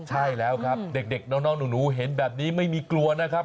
ใช่แล้วครับเด็กน้องหนูเห็นแบบนี้ไม่มีกลัวนะครับ